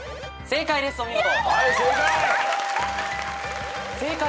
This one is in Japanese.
正解ですお見事。